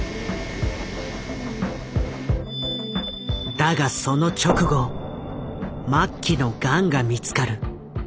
だがその直後末期のガンが見つかる。